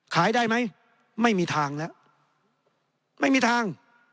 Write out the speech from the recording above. ขายได้ไหมไม่มีทางแล้วไม่มีทาง